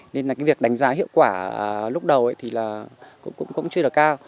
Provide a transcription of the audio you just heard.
nên là cái việc đánh giá hiệu quả lúc đầu thì là cũng chưa được cao